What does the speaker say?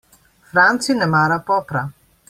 Franci ne mara popra.